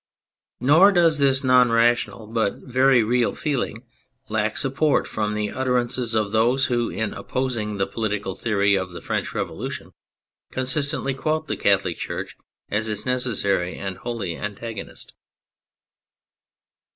Nor does this non rational but very real feeling lack sup port from the utterances of those who, in opposing the political theory of the French Revolution, consistently quote the Catholic Church as its necessary and holy antagonist.